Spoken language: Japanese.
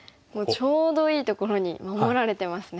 ちょうどいいところに守られてますね。